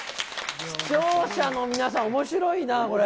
視聴者の皆さん、おもしろいなあ、これ。